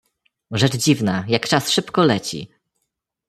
"Rzecz dziwna, jak czas szybko leci!"